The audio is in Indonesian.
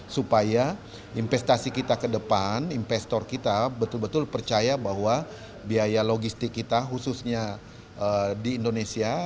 supaya investasi kita ke depan investor kita betul betul percaya bahwa biaya logistik kita khususnya di indonesia